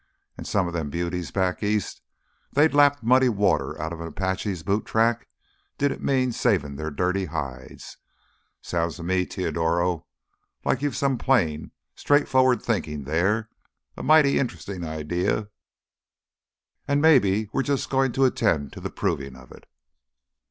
An' some of them beauties back east, they'da lapped muddy water outta an Apache's boot tracks, did it mean savin' their dirty hides. Sounds to me, Teodoro, like you've some plain, straightforward thinkin' there—a mighty interestin' idea. An' maybe we're jus' goin' to attend to th' provin' of it!"